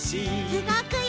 うごくよ！